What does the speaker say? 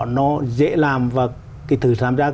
nó dễ làm và cái thử giám giác